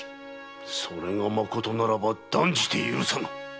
それが真ならば断じて許さぬ！